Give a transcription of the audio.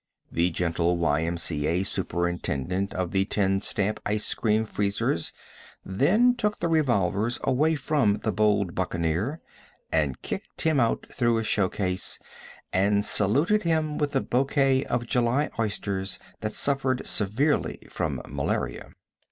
The gentle Y.M.C.A. superintendent of the ten stamp ice cream freezers then took the revolvers away from the bold buccaneer, and kicked him out through a show case, and saluted him with a bouquet of July oysters that suffered severely from malaria.